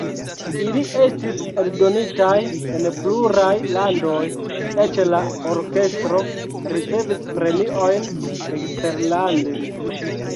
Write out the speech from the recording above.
Ili estis eldonitaj en pluraj landoj, eĉ la orkestro ricevis premiojn eksterlande.